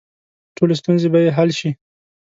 ټولې ستونزې به یې حل شي.